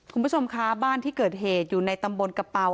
คุณผู้ชมคะบ้านที่เกิดเหตุอยู่ในตำบลกระเป๋า